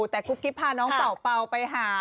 แต่กรุ๊ปกริ๊ปพาน้องเป่าไปหา